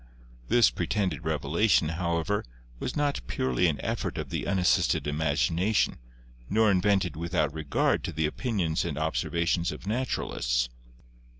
This pretended revelation, however, was not purely an effort of the unas sisted imagination nor invented without regard to the opinions and observations of naturalists.